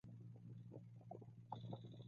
这种保护机制常被弱小者所用。